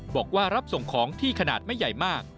บอกว่ารับส่งของที่ขนาดไม่ใหญ่มาก